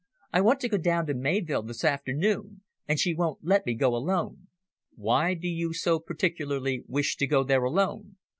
I want to go down to Mayvill this afternoon, and she won't let me go alone." "Why do you so particularly wish to go there alone?"